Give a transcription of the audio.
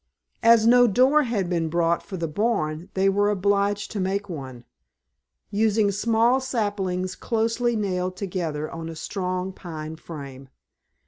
As no door had been brought for the barn they were obliged to make one, using small saplings closely nailed together on a strong pine frame.